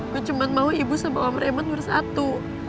gue cuman mau ibu sama om raymond bersatu